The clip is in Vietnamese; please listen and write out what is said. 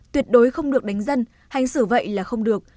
tuyệt đối không được đánh dân hành xử vậy là không được